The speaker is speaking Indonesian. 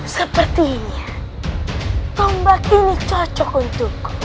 sepertinya tombak ini cocok untukku